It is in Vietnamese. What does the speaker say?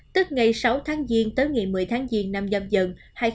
tức ngày sáu tháng diên tới ngày một mươi tháng diên năm nhâm dần hai nghìn hai mươi hai